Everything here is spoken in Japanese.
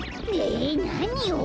えなにを？